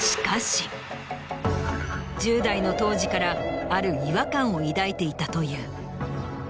１０代の当時からある違和感を抱いていたという。